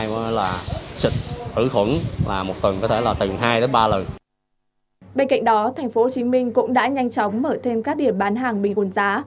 bên cạnh đó tp hcm cũng đã nhanh chóng mở thêm các địa bán hàng bình quân giá